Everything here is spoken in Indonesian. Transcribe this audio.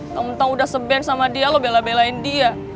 tentang udah seben sama dia lo belain belain dia